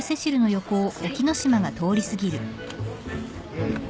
うん。